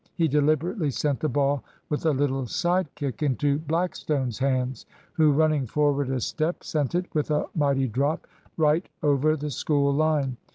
He deliberately sent the ball with a little side kick into Blackstone's hands, who, running forward a step, sent it, with a mighty drop, right over the School line.